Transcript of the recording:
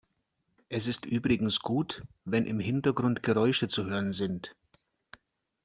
Es ist übrigens gut, wenn im Hintergrund Geräusche zu hören sind.